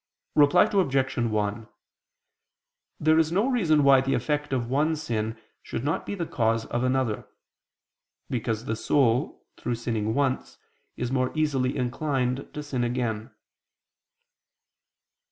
Reply Obj. 1: There is no reason why the effect of one sin should not be the cause of another: because the soul, through sinning once, is more easily inclined to sin again.